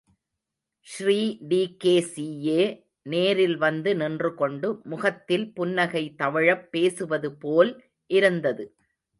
ஸ்ரீடி.கே.சியே நேரில் வந்து நின்று கொண்டு முகத்தில் புன்னகை தவழப் பேசுவதுபோல் இருந்தது.